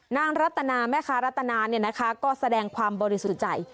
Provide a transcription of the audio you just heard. นางรัฐนาแม่ค้ารัฐนาก็แสดงความบริสุจัย